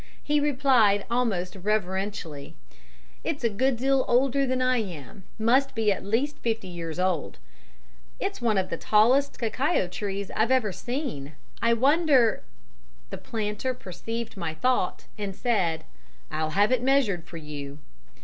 He replied, almost reverentially: "It's a good deal older than I am; must be at least fifty years old." "It's one of the tallest cacao trees I've seen. I wonder ." The planter perceived my thought, and said: "I'll have it measured for you."